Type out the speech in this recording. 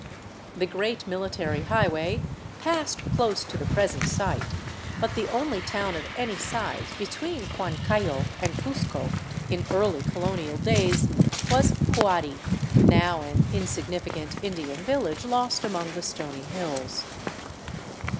The great military highway passed close to the present site, but the only town of any size between Huan cayo and Cuzco in early colonial days was Huari, now an insignificant Indian village lost among the stony hills.